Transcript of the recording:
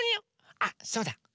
あっそうだ。